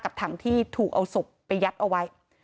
ถังที่ถูกเอาศพไปยัดเอาไว้